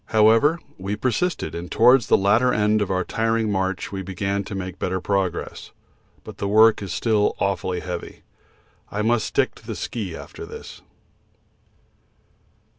However, we persisted, and towards the latter end of our tiring march we began to make better progress, but the work is still awfully heavy. I must stick to the ski after this.